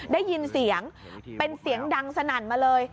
ได้ยินเสียงเป็นเสียงดังสนั่นมาเลย